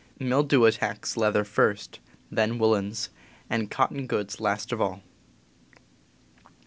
Mildew at tacks leather first, then woolens, and cotton goods last of all.